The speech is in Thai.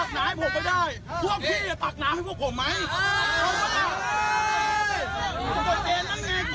เฮ้ยยยยยยยยโอ้เกษตระไหนกดใกล้ขวบฤทธิ์อีกแล้ว